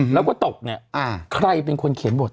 แล้วก็ตกเนี่ยใครเป็นคนเขียนบท